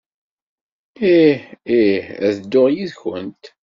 Ih, ih, ad dduɣ yid-went.